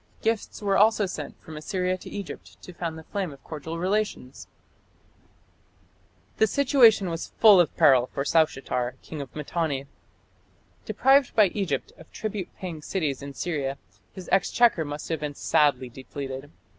Gifts were also sent from Assyria to Egypt to fan the flame of cordial relations. The situation was full of peril for Saushatar, king of Mitanni. Deprived by Egypt of tribute paying cities in Syria, his exchequer must have been sadly depleted.